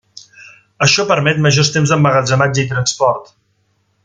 Això permet majors temps d'emmagatzematge i transport.